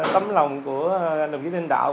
tấm lòng của đồng chí ninh đạo